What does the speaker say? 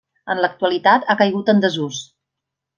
En l'actualitat ha caigut en desús.